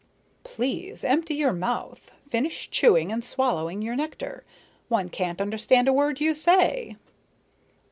"Please empty your mouth finish chewing and swallowing your nectar. One can't understand a word you say."